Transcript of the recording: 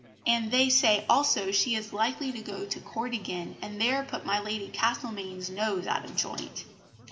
And they say also she is likely to go to Court again, and there put my Lady Castlemaine's nose out of joint.